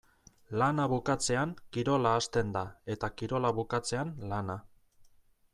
Lana bukatzean kirola hasten da eta kirola bukatzean lana.